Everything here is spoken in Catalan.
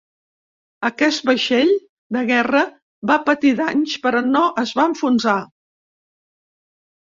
Aquest vaixell de guerra va patir danys però no es va enfonsar.